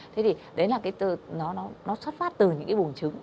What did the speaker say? thế thì đấy là cái từ nó xuất phát từ những cái bùng trứng